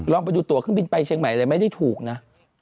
ลองไปดูตัวเครื่องบินไปเชียงใหม่เลยไม่ได้ถูกนะ